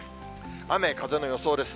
雨、風の予想です。